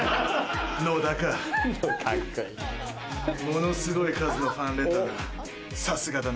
ものすごい数のファンレターだ